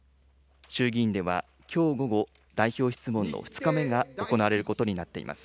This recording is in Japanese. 衆議院ではきょう午後、代表質問の２日目が行われることになっています。